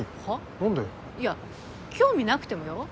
いや興味なくてもよ